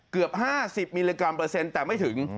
เกือบ๕๐มิลลิกรัมเปอร์เซ็นต์แต่ไม่ถึง